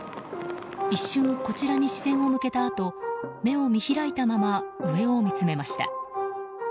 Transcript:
一瞬、こちらに視線を向けたあと目を見開いたまま上を見つめました。